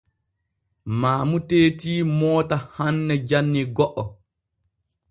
Maamu teeti moota hanne janni go’o.